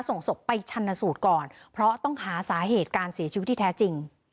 ส่งศพไปชันสูตรก่อนเพราะต้องหาสาเหตุการเสียชีวิตที่แท้จริง